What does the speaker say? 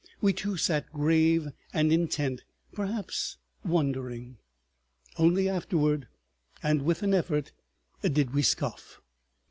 We two sat grave and intent—perhaps wondering. Only afterward and with an effort did we scoff.